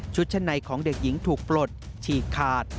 ชั้นในของเด็กหญิงถูกปลดฉีกขาด